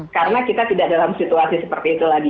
karena kita tidak dalam situasi seperti itu lagi